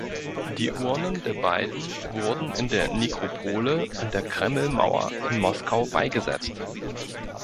Die Urnen der beiden wurden in der Nekropole an der Kremlmauer in Moskau beigesetzt.